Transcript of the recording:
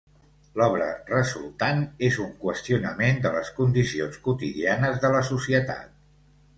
L'obra resultant és un qüestionament de les condicions quotidianes de la societat.